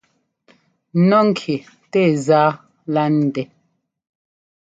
Nɔ́ ŋki tɛɛ zá lá ndɛ́.